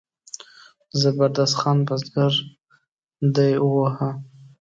د زبردست خان بزګر دی وواهه.